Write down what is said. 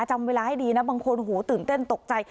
จำเวลาให้ดีนะบางคนโหตื่นเต้นตกใจ